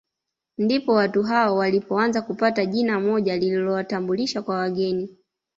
Ndipo watu hao walipoanza kupata jina moja lililowatambulisha kwa wageni